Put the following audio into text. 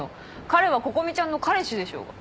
彼は心美ちゃんの彼氏でしょうが。